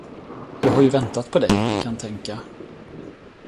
Jag har ju väntat på dig, kan tänka.